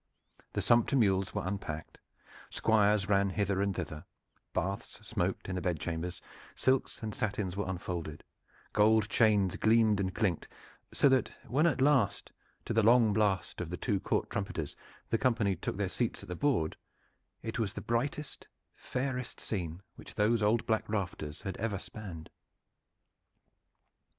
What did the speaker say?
The sumpter mules were unpacked, squires ran hither and thither, baths smoked in the bed chambers, silks and satins were unfolded, gold chains gleamed and clinked, so that when at last, to the long blast of two court trumpeters, the company took their seats at the board, it was the brightest, fairest scene which those old black rafters had ever spanned.